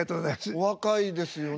お若いですよね。